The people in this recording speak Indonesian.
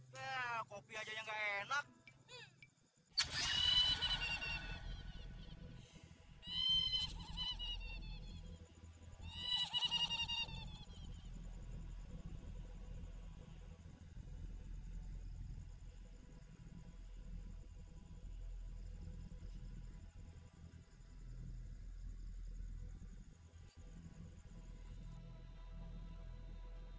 wah kopi aja yang gak enak